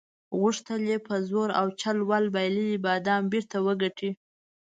غوښتل یې په زور او چل ول بایللي بادام بیرته وګټي.